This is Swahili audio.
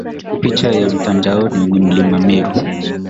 Picha ya Mtandaoni ni Mlima Meru